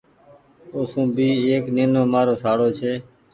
اوسون ڀي ايڪ نينومآرو شاڙو ڇي۔